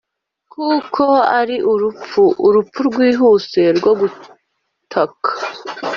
kuberako ari urupfu, urupfu rwihuse rwo gutaka.